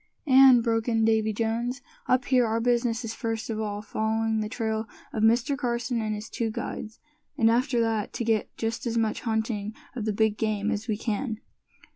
"And," broke in Davy Jones, "up here our business is first of all following the trail of Mr. Carson and his two guides; and after that, to get just as much hunting of the big game as we can."